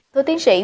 thưa tiến sĩ